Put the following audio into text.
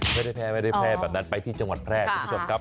ไม่ได้แพร่ไม่ได้แพร่แบบนั้นไปที่จังหวัดแพร่คุณผู้ชมครับ